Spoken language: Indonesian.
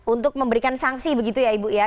untuk memberikan sanksi begitu ya ibu ya